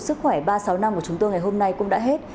sức khỏe ba sáu năm của chúng tôi ngày hôm nay cũng đã hết